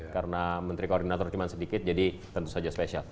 karena menteri koordinator cuma sedikit jadi tentu saja spesial